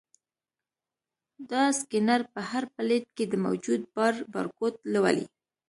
دا سکینر په هر پلیټ کې د موجود بار بارکوډ لولي.